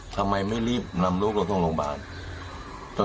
ทำไมไม่รีบนำลูกเราส่งโรงพยาบาล